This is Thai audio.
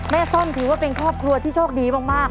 ส้มถือว่าเป็นครอบครัวที่โชคดีมาก